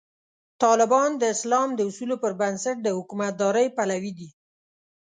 طالبان د اسلام د اصولو پر بنسټ د حکومتدارۍ پلوي دي.